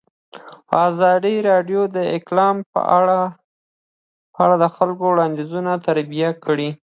ازادي راډیو د اقلیم په اړه د خلکو وړاندیزونه ترتیب کړي.